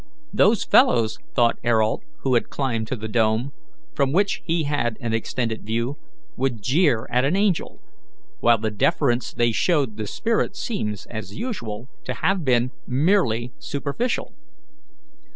"Those fellows," thought Ayrault, who had climbed to the dome, from which he had an extended view, "would jeer at an angel, while the deference they showed the spirit seems, as usual, to have been merely superficial."